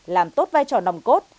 làm tốt vai trò nòng cốt